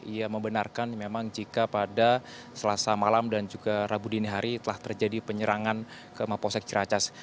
ia membenarkan memang jika pada selasa malam dan juga rabu dini hari telah terjadi penyerangan ke maposek ciracas